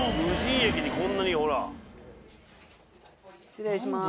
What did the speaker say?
失礼します。